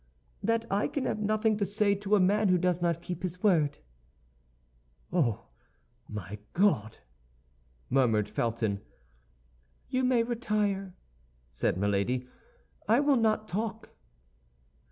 "That I can have nothing to say to a man who does not keep his word." "Oh, my God!" murmured Felton. "You may retire," said Milady. "I will not talk."